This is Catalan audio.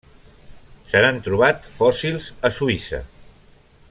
Se n'han trobat fòssils a Suïssa.